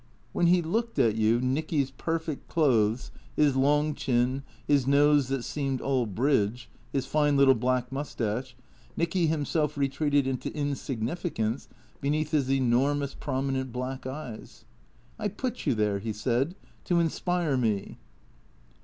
When he looked at you Nicky's per fect clothes, his long chin, his nose that seemed all bridge, his fine little black moustache, Nicky himself retreated into insignifi cance beneath his enormous, prominent black eyes. " I put you there," he said, " to inspire me."